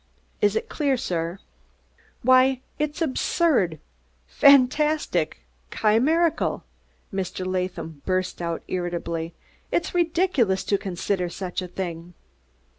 Is it clear, sir?" "Why, it's absurd, fantastic, chimerical!" Mr. Latham burst out irritably. "It's ridiculous to consider such a thing."